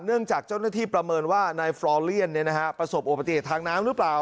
เนื่องจากเจ้าหน้าที่ประเมินว่าในฟรอเลียนประสบโอปฏิเหตุทางน้ำรึเปล่า